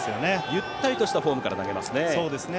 ゆったりとしたフォームから投げますね。